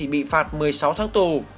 bị phạt một mươi sáu tháng tù